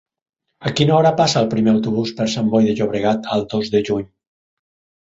A quina hora passa el primer autobús per Sant Boi de Llobregat el dos de juny?